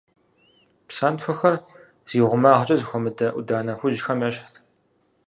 Псантхуэхэр зи гъумагъкӀэ зэхуэмыдэ Ӏуданэ хужьхэм ещхьщ.